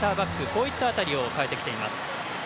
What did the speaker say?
こういった辺りを変えてきています。